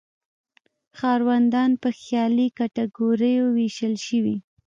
ښاروندان په خیالي کټګوریو ویشل شوي.